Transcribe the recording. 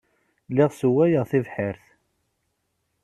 Lliɣ sswayeɣ tibḥirt.